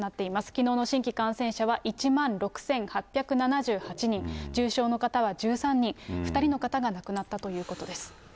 きのうの新規感染者は１万６８７８人、重症の方は１３人、２人の方が亡くなったということです。